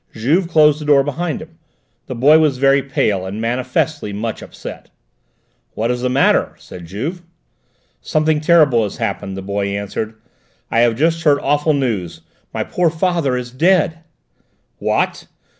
Juve closed the door behind him. The boy was very pale and manifestly much upset. "What is the matter?" said Juve. "Something terrible has happened," the boy answered. "I have just heard awful news: my poor father is dead!" "What?"